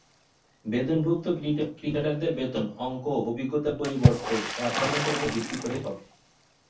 বেতনভুক্ত ক্রিকেটারদের বেতনের অঙ্কও অভিজ্ঞতার পরিবর্তে পারফরম্যান্সের ওপর ভিত্তি করে হবে।